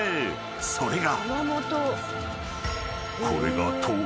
［それが］